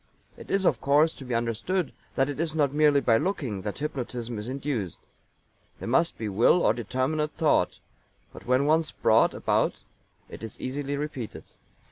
It is, of course, to be understood that it is not merely by looking that hypnotism is induced. There must be will or determinate thought; but when once brought about it is easily repeated.